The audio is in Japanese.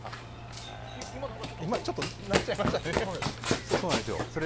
今、ちょっと鳴っちゃいましたね。